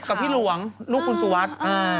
กับพี่หลวงลูกคุณสุวัสดิ์